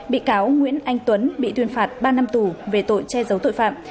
bị cáo nguyễn anh tuấn bị tuyên phạt ba năm tù về tội che giấu tội phạm